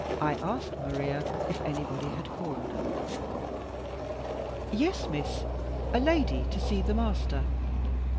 I asked Maria if anybody had called. "Yes, miss; a lady, to see the master."